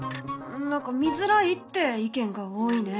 何か見づらいって意見が多いね。